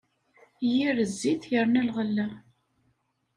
Yir zzit, yerna leɣla.